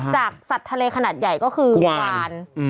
จากสัตว์ทะเลขนาดใหญ่ก็คือควาน